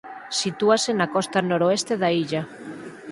Sitúase na costa noroeste da illa.